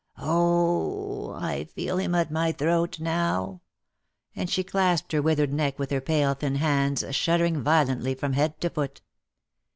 Oh h! I feel him at my throat now !" and she clasped her withered neck with her pale thin hands, shuddering vio lently from head to foot.